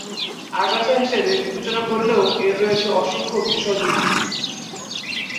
আগাছা হিসাবে বিবেচনা করলেও এর রয়েছে অসংখ্য ভেষজ গুণ।